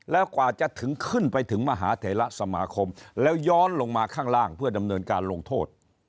แล้วกว่าจะถึงขึ้นไปถึงมหาเถระสมาคมแล้วย้อนลงมาข้างล่างเพื่อดำเนินการลงโทษ